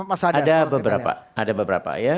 ada beberapa ada beberapa ya